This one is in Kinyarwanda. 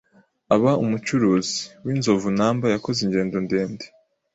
aba umucuruzi w'inzovunumberYakoze ingendo ndende